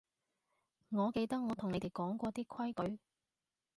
我記得我同你哋講過啲規矩